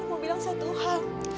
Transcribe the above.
aku mau bilang satu hal